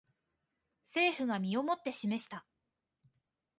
政府が身をもって示した